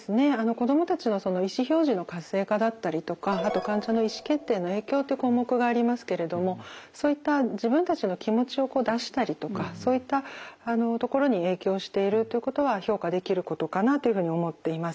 子供たちの意思表示の活性化だったりとかあと患者の意思決定への影響っていう項目がありますけれどもそういった自分たちの気持ちを出したりとかそういったところに影響しているということは評価できることかなというふうに思っています。